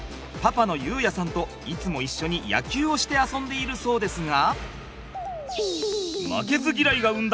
パパの裕也さんといつも一緒に野球をして遊んでいるそうですが。